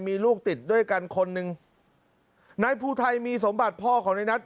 มีลูกติดด้วยกันคนหนึ่งนายภูไทยมีสมบัติพ่อของในนัท